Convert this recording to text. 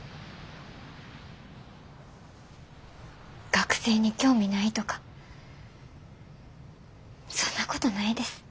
学生に興味ないとかそんなことないです。